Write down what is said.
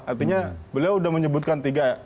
artinya beliau sudah menyebutkan tiga